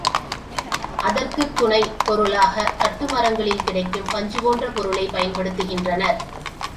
அதற்குத் துணைப் பொருளாகக் காட்டுமரங்களில் கிடைக்கும் பஞ்சு போன்ற பொருளைப் பயன்படுத்துகின்றனர்.